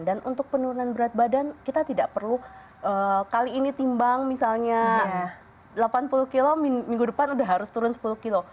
dan untuk penurunan berat badan kita tidak perlu kali ini timbang misalnya delapan puluh kilo minggu depan sudah harus turun sepuluh kilo